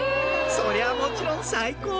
そりゃもちろん最高！